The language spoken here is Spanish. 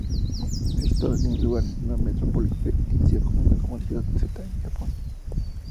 La historia tiene lugar en una metrópolis ficticia conocida como Ciudad Z, en Japón.